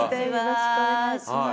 よろしくお願いします。